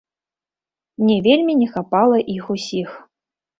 Мне вельмі не хапала іх усіх.